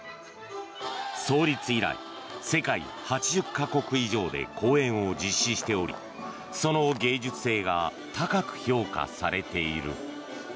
創立以来、世界８０か国以上で公演を実施しておりその芸術性が高く評価されている。